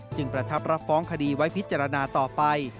ประทับรับฟ้องคดีไว้พิจารณาต่อไป